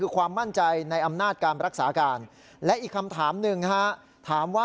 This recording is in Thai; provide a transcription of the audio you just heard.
๒ความมั่นใจในอำนาจการรักษาการ